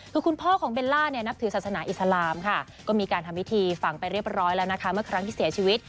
คือคุณพ่อของเบลล่าเนี่ยนับถือศาสนาอิสลามค่ะก็มีการทำพิธีฝังไปเรียบร้อยแล้วนะคะเมื่อครั้งที่เสียชีวิต